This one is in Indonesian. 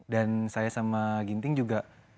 dan saya sama ginting juga beberapa kali sudah